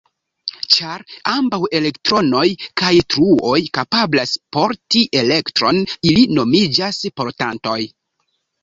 Ĉar ambaŭ elektronoj kaj truoj kapablas porti elektron, ili nomiĝas "portantoj".